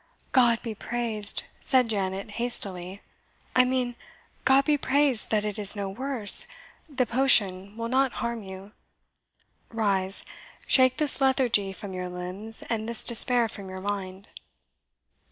"God be praised!" said Janet hastily "I mean, God be praised that it is no worse; the potion will not harm you. Rise, shake this lethargy from your limbs, and this despair from your mind."